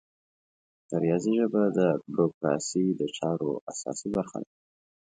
د ریاضي ژبه د بروکراسي د چارو اساسي برخه ده.